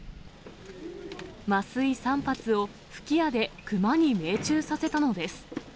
麻酔３発を吹き矢で熊に命中させたのです。